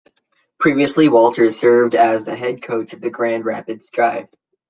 Previously Walters served as the head coach of the Grand Rapids Drive.